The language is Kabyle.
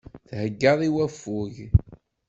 Theggaḍ i waffug.